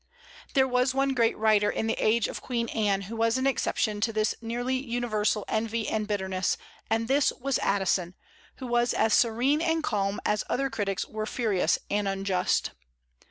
There was one great writer in the age of Queen Anne who was an exception to this nearly universal envy and bitterness; and this was Addison, who was as serene and calm as other critics were furious and unjust.